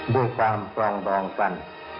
ด้วยความปรองดองกัน